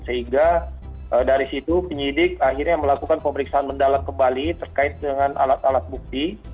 sehingga dari situ penyidik akhirnya melakukan pemeriksaan mendalam kembali terkait dengan alat alat bukti